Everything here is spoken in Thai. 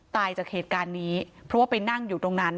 จากเหตุการณ์นี้เพราะว่าไปนั่งอยู่ตรงนั้น